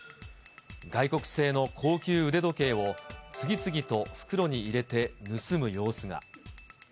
外国製の高級腕時計を次々と袋に入れて盗む様子が。